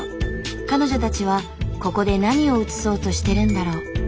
彼女たちはここで何を写そうとしてるんだろう。